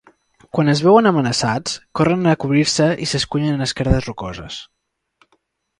Quan es veuen amenaçats, corren a cobrir-se i s'encunyen en esquerdes rocoses.